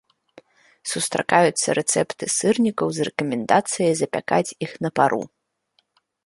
Сустракаюцца рэцэпты сырнікаў з рэкамендацыяй запякаць іх на пару.